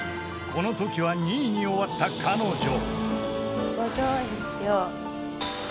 ［このときは２位に終わった彼女］